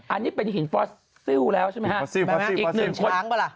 อันนี้เป็นเห็นเฟ้อเธิวแล้วใช่มั้ยเหรอ